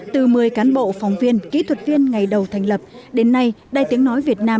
từ một mươi cán bộ phóng viên kỹ thuật viên ngày đầu thành lập đến nay đài tiếng nói việt nam